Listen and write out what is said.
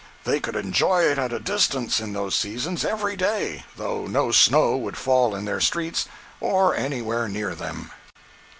They could enjoy it at a distance, at those seasons, every day, though no snow would fall in their streets, or anywhere near them.